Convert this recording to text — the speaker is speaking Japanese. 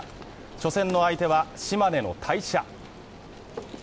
初戦の相手は、島根の大社。